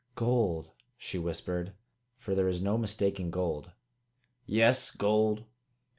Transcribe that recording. "Gold!" she whispered, for there is no mistaking gold. "Yes, gold!"